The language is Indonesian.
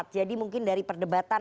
jadi mungkin dari perdebatan